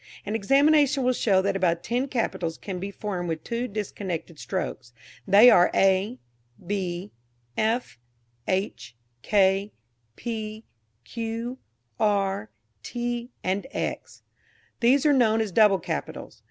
An examination will show that about ten capitals can be formed with two disconnected strokes. They are A, B, F, H, K, P, Q, R, T and X. These are known as double capitals.